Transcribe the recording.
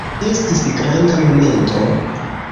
Estis granda momento!